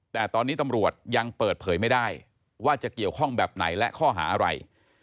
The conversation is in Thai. แต่ตอนนี้ตำรวจยังเปิดเผยไม่ได้ว่าจะเกี่ยวข้องแบบไหนและข้อหาอะไร